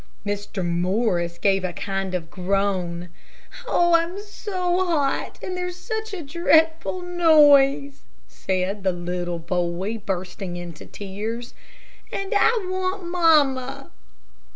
Mr. Morris gave a kind of groan. "Oh, I'm so hot, and there's such a dreadful noise," said the little boy, bursting into tears, "and I want mamma."